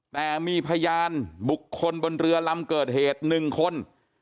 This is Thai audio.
แต่มีพยานบุคคลบนเรือลำเกิดเหตุ๑คน